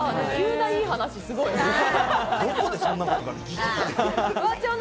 急ないい、話すごいな。